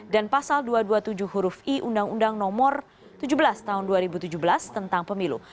dan pasal dua ratus dua puluh tujuh huruf i undang undang nomor tujuh belas tahun dua ribu tujuh belas tentang pemilu